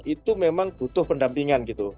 itu memang butuh pendampingan